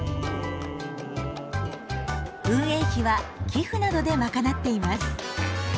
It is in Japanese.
運営費は寄付などで賄っています。